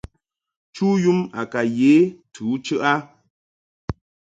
Chu yum a ka ye ntɨ u chəʼ a.